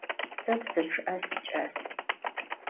Se psı ççı'e siç'as.